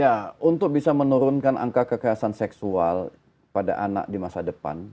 ya untuk bisa menurunkan angka kekerasan seksual pada anak di masa depan